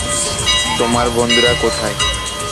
তোমার বন্ধুরা কোথায়?